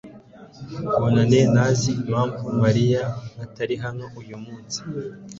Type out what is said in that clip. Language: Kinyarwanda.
Bonane ntazi impamvu Mariya atari hano uyu munsi .